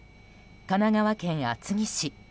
神奈川県厚木市。